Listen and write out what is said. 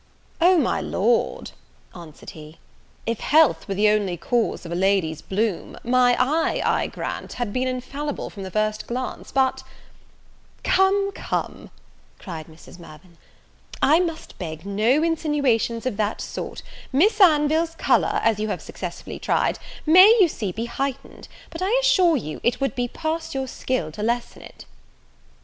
"O, my Lord," answered he, "if health were the only cause of a lady's bloom, my eye, I grant, had been infallible from the first glance; but " "Come, come," cried Mrs. Mirvan, "I must beg no insinuations of that sort: Miss Anville's colour, as you have successfully tried, may, you see, be heightened; but, I assure you, it would be past your skill to lessen it."